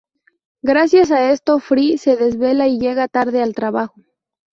Gracias a esto Fry se desvela y llega tarde al trabajo.